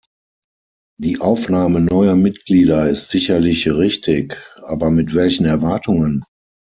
Die Aufnahme neuer Mitglieder ist sicherlich richtig, aber mit welchen Erwartungen?